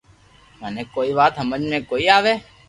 مني ڪوئي وات ھمج ۾ ڪوئي َآوي